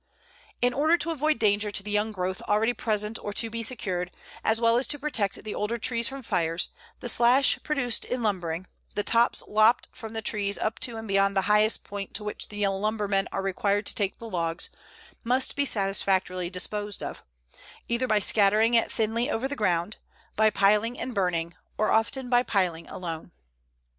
In order to avoid danger to the young growth already present or to be secured, as well as to protect the older trees from fires, the slash produced in lumbering, the tops lopped from the trees up to and beyond the highest point to which the lumbermen are required to take the logs, must be satisfactorily disposed of either by scattering it thinly over the ground, by piling and burning, or often by piling alone.